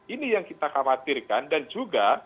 ini yang kita khawatirkan dan juga